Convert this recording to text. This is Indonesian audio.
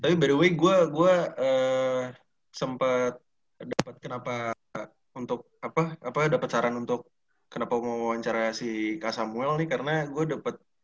tapi by the way gue sempet dapat kenapa untuk apa dapat saran untuk kenapa mau wawancara si kak samuel nih karena gue dapet